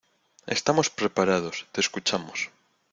estamos preparados, te escuchamos.